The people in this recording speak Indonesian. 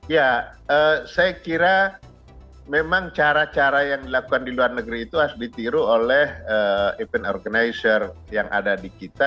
ya saya kira memang cara cara yang dilakukan di luar negeri itu harus ditiru oleh event organizer yang ada di kita